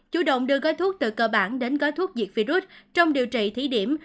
chủ động đưa gói thuốc từ cơ bản đến gói thuốc diệt virus trong điều trị thí điểm